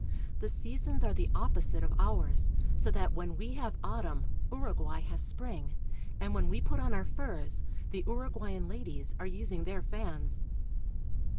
The seasons are the op posite of ours, so that when we have autumn Uruguay has spring, and when we put on our furs the Uruguayan ladies are using their fans.